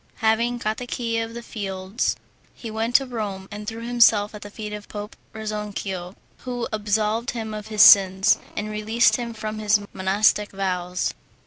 Having got the key of the fields, he went to Rome, and threw himself at the feet of Pope Rezzonico, who absolved him of his sins, and released him from his monastic vows.